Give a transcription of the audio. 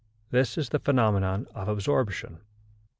This is the phenomenon of absorption.